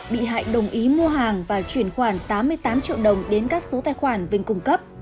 bị hại đồng ý mua hàng và chuyển khoản tám mươi tám triệu đồng đến các số tài khoản vinh cung cấp